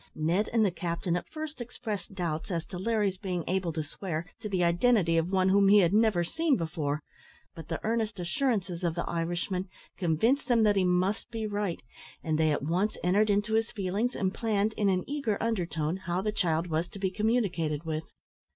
Ned and the captain at first expressed doubts as to Larry's being able to swear to the identity of one whom he had never seen before; but the earnest assurances of the Irishman convinced them that he must be right, and they at once entered into his feelings, and planned, in an eager undertone, how the child was to be communicated with.